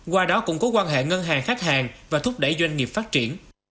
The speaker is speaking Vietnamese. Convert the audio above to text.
qua đó cũng có quan hệ ngân hàng khách hàng và thúc đẩy doanh nghiệp phát triển